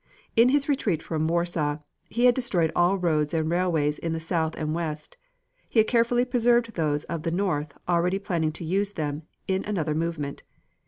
In his retreat from Warsaw, while he had destroyed all roads and railways in the south and west, he had carefully preserved those of the north already planning to use them in another movement.